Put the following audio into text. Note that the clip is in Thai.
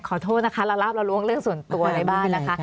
ขอโทษนะคะละลาบละล้วงเรื่องส่วนตัวในบ้านนะคะ